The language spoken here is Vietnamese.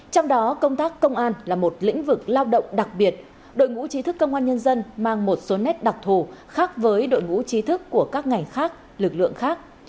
trong đó công tác công an là một lĩnh vực lao động đặc biệt đội ngũ trí thức công an nhân dân mang một số nét đặc thù khác với đội ngũ trí thức của các ngành khác lực lượng khác